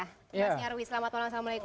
mas nyarwi selamat malam assalamualaikum